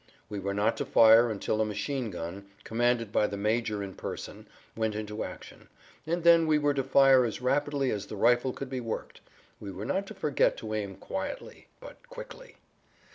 We were not to fire until a machine gun, commanded by the major in person, went into action, and then we were to fire as rapidly as the rifle could be worked; we were not to forget to aim quietly, but quickly.